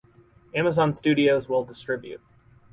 Amazon Studios will distribute.